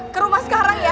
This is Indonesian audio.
ke rumah sekarang ya